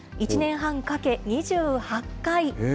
１年半かけ、２８回。